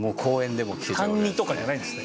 単二とかじゃないんですね。